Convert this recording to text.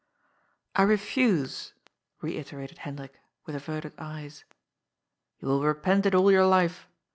'"" I refuse," reiterated Hendrik, with averted eyes. " You will repent it all your life.